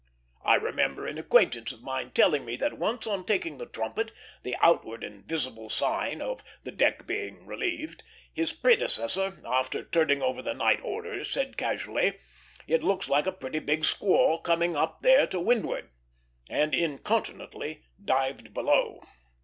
I remember an acquaintance of mine telling me that once on taking the trumpet, the outward and visible sign of "the deck being relieved," his predecessor, after "turning over the night orders," said, casually, "It looks like a pretty big squall coming up there to windward," and incontinently dived below.